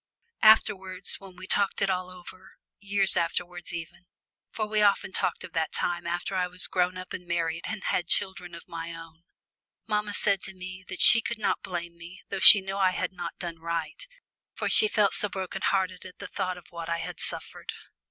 Afterwards, when we talked it all over, years afterwards even, for we often talked of that time after I was grown up and married, and had children of my own, mamma said to me that she could not blame me though she knew I had not done right, for she felt so broken hearted at the thought of what I had suffered.